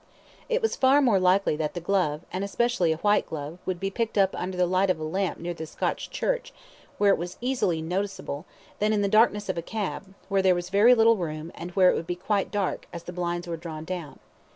It was far more likely that the glove, and especially a white glove, would be picked up under the light of the lamp near the Scotch Church, where it was easily noticeable, than in the darkness of a cab, where there was very little room, and where it would be quite dark, as the blinds were drawn down.